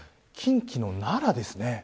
近畿の奈良です。